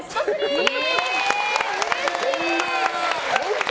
うれしい！